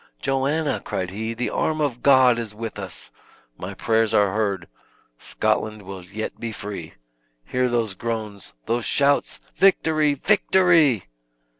"Joanna!" cried he, "the arm of God is with us. My prayers are heard. Scotland will yet be free. Hear those groans those shouts. Victory! victory!"